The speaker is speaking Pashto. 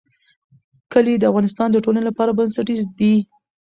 کلي د افغانستان د ټولنې لپاره بنسټیز دي.